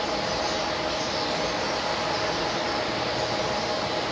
ต้องเติมเนี่ย